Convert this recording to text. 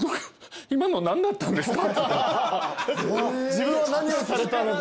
自分は何をされたのか。